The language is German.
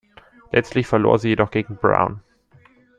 Letztlich verlor sie jedoch gegen Brown.